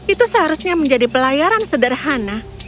itu seharusnya menjadi pelayaran sederhana